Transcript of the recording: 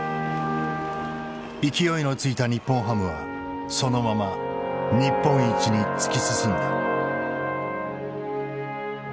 勢いのついた日本ハムはそのまま日本一に突き進んだ。